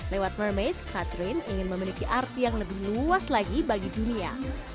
lewat mermaids catherine ingin memiliki arti yang lebih luas lagi bagi dunia